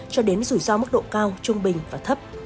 cho đến rủi ro mức độ cao trung bình và thấp